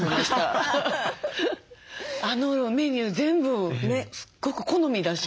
あのメニュー全部すっごく好みだし。